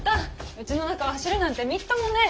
うちの中を走るなんてみっともねぇ。